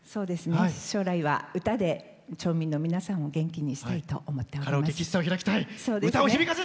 将来は、歌で町民の皆さんを元気にしたいと思っています。